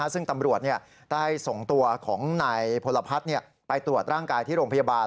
ซึ่งตำรวจได้ส่งตัวของนายพลพัฒน์ไปตรวจร่างกายที่โรงพยาบาล